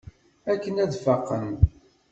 Akken ad faqen.